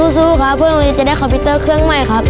สู้ครับเพื่อโรงเรียนจะได้คอมพิวเตอร์เครื่องใหม่ครับ